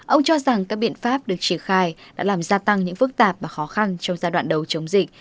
ông cho rằng các biện pháp được triển khai đã làm gia tăng những phức tạp và khó khăn trong giai đoạn đầu chống dịch